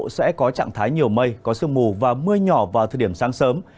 sẽ có trạng thái nhiều mây có sương mù và mưa nhỏ vào thời điểm sáng sớm